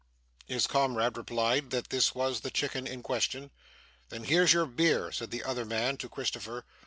His comrade replied that this was the chicken in question. 'Then here's your beer,' said the other man to Christopher.